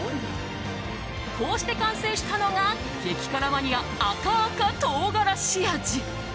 こうして完成したのが激辛マニア赤赤とうがらし味。